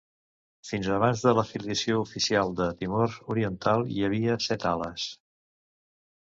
Fins abans de la filiació oficial de Timor Oriental, hi havia set ales.